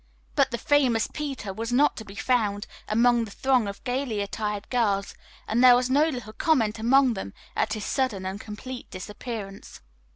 But the "famous Peter" was not to be found among the throng of gayly attired girls, and there was no little comment among them at his sudden and complete disappearance.